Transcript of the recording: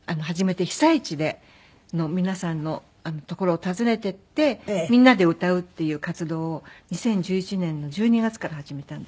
被災地の皆さんの所を訪ねていってみんなで歌うっていう活動を２０１１年の１２月から始めたんですね。